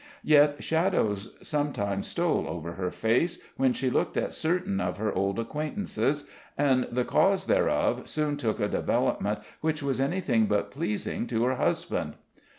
Yet shadows sometimes stole over her face, when she looked at certain of her old acquaintances, and the cause thereof soon took a development which was anything but pleasing to her husband.